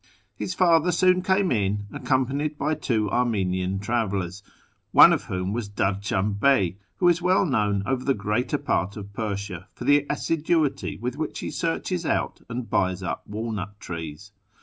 His father soon came in, accomj^anied by two Armenian travellers, one of whom was Darcham Bey, wlio is well known over the greater part of Persia for the assiduity with which he searches out and buys up walnut trees.